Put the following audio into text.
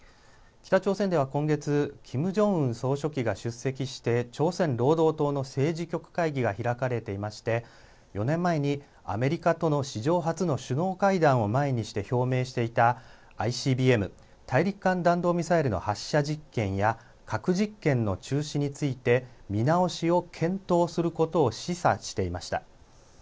北朝鮮では今月、キム・ジョンウン総書記が出席して朝鮮労働党の政治局会議が開かれていまして４年前にアメリカとの史上初の首脳会談を前にして表明していたＩＣＢＭ・大陸間弾道ミサイルの発射実験や核実験の中止について見直しを検討することを示唆していました。